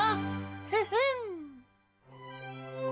フフン！